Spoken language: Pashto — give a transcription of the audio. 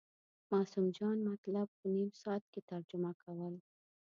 معصوم جان مطلب په نیم ساعت کې ترجمه کول.